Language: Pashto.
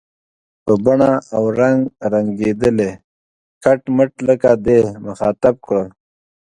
په بڼه او رنګ رنګېدلی، کټ مټ لکه دی، مخاطب کړ.